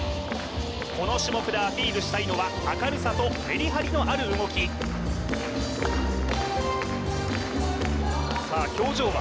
この種目でアピールしたいのは明るさとメリハリのある動きさあ表情は？